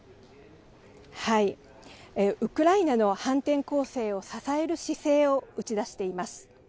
ウクライナの反転攻勢を支える姿勢を打ち出しています。